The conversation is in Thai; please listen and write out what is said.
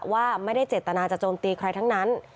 ว่าไม่ได้เจตนาจะโจมตีใครทั้งนั้น